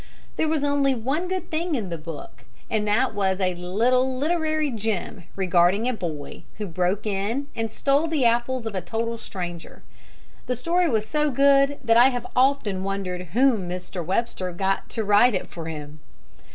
There was only one good thing in the book, and that was a little literary gem regarding a boy who broke in and stole the apples of a total stranger. The story was so good that I have often wondered whom Mr. Webster got to write it for him.